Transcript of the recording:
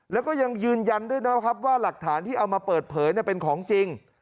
แล้วก็ยังยืนยันด้วยนะครับว่าหลักฐานที่เอามาเปิดเผยเป็นของจริง